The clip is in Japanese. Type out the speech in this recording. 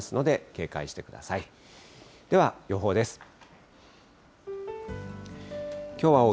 では予報です。